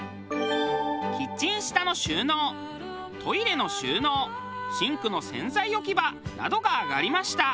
キッチン下の収納トイレの収納シンクの洗剤置き場などが挙がりました。